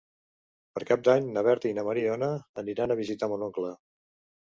Per Cap d'Any na Berta i na Mariona aniran a visitar mon oncle.